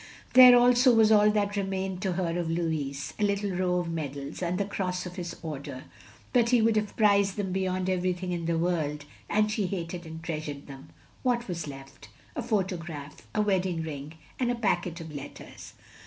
There, also, was all that renmined to her of LfOuis — a little row of medals, and the Cross of his Order; but he would have prized them beyond everything in the world, and she hated and treasured them. What was left? A photograph, a wedding ring, and a packet of letters.